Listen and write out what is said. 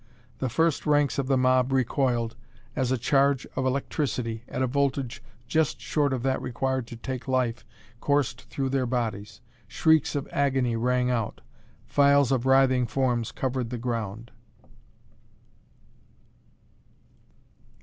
The first ranks of the mob recoiled as a charge of electricity at a voltage just short of that required to take life coursed through their bodies. Shrieks of agony rang out. Files of writhing forms covered the ground.